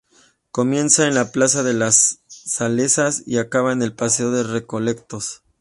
Comienza en la plaza de las Salesas y acaba en el paseo de Recoletos.